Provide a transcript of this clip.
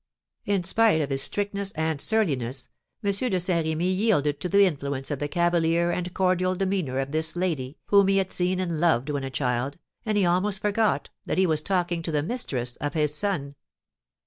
In spite of his strictness and surliness, M. de Saint Remy yielded to the influence of the cavalier and cordial demeanour of this lady, whom he had seen and loved when a child, and he almost forgot that he was talking to the mistress of his son.